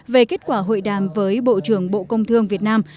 về kết quả hội đàm với bộ trưởng bộ công thương việt nam